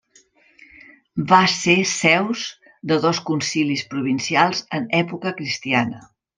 Va ser seus de dos concilis provincials en època cristiana.